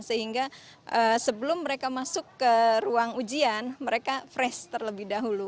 sehingga sebelum mereka masuk ke ruang ujian mereka fresh terlebih dahulu